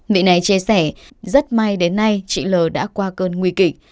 vị này chia sẻ rất may đến nay chị l đã qua cơn nguy kịch